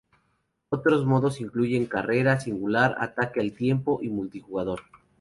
Otros modos incluyen Carrera Singular, Ataque al Tiempo y Multijugador.